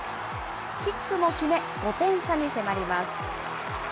キックも決め、５点差に迫ります。